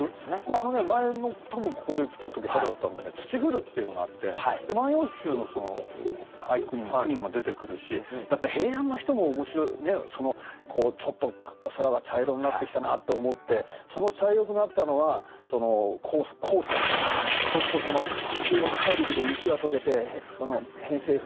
あのね前も多分ここに来た時春だったんでね「霾」っていうのがあってで「万葉集」の俳句にも句にも出てくるしだって平安の人も面白いちょっと空が茶色になってきたなと思ってその茶色くなったのは黄砂だからそうすると中国大陸で雪が解けて偏西風